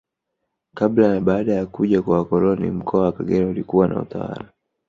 Kabla na baada ya kuja kwa wakoloni Mkoa wa Kagera ulikuwa na utawala